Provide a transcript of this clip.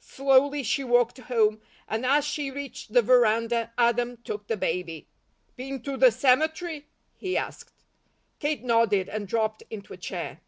Slowly she walked home and as she reached the veranda, Adam took the baby. "Been to the cemetery?" he asked. Kate nodded and dropped into a chair.